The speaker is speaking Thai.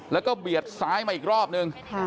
แล้วก็เบียดซ้ายมาอีกรอบนึง